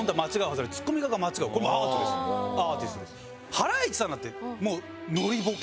ハライチさんなんてもうノリボケ。